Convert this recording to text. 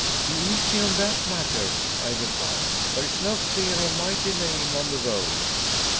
"Be easy on that matter," I replied, "there is no fear of my delaying on the road."